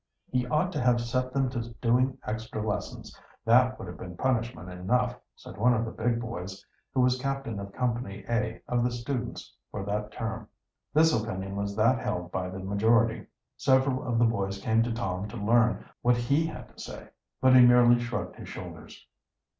"He ought to have set them to doing extra lessons; that would have been punishment enough," said one of the big boys, who was captain of Company A of the students for that term. This opinion was that held by the majority. Several of the boys came to Tom to learn what he had to say. But he merely shrugged his shoulders.